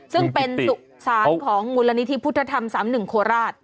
ซึ่งเป็นสุสานของมูลนิธิพุทธธรรม๓๑โคราช